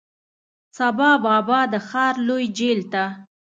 سبا بابا د ښار لوی جیل ته،